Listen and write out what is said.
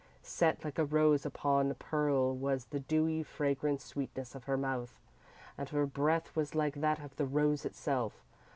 Set like a rose upon pearl was the dewy, fragrant sweetness of her mouth, and her breath was like that of the rose itself.